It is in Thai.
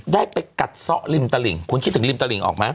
ได้ไปกัดซ่อริมตลิ่งคุณคิดถึงริมตลิงออกไหม